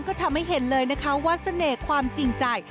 ก็ทำให้เห็นเลยนะคะว่าเสน่ห์ความจริงใจ